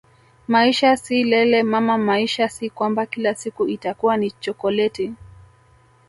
Maisha si lele mama maisha si kwamba kila siku itakuwa ni chokoleti